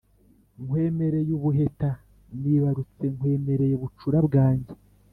nkwemereye ubuheta nibarutse, nkwemereye bucura bwanjye ».